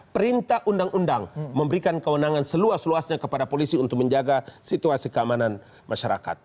perintah undang undang memberikan kewenangan seluas luasnya kepada polisi untuk menjaga situasi keamanan masyarakat